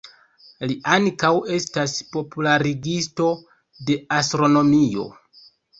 Li ankaŭ estas popularigisto de astronomio.